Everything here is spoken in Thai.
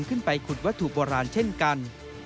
ขึ้นไปขุดวัตถุโบราณเช่นกัน